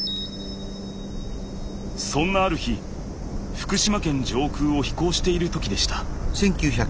そんなある日福島県上空を飛行している時でした。